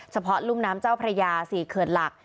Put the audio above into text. เฉพาะลุมน้ำเจ้าพระยา๔เคลือนหลัก